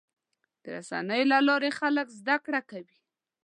د رسنیو له لارې خلک زدهکړه کوي.